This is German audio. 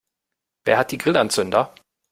Wer hat die Grillanzünder?